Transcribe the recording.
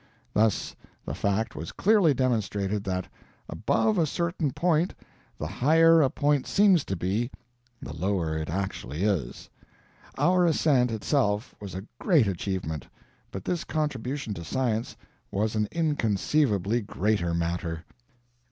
Thus the fact was clearly demonstrated that, ABOVE A CERTAIN POINT, THE HIGHER A POINT SEEMS TO BE, THE LOWER IT ACTUALLY IS. Our ascent itself was a great achievement, but this contribution to science was an inconceivably greater matter.